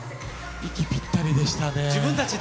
息ぴったりでしたね。